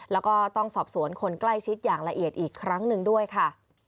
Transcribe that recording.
แล้วก็ต้องสอบสวนคนใกล้ชิดอย่างละเอียดอีกครั้งหนึ่งด้วยค่ะ